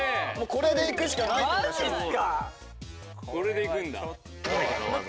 これでいくんだ。